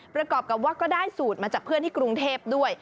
ประกอบกับว่าก็ได้สูตรมาจากเพื่อนที่กรุงเทพด้วย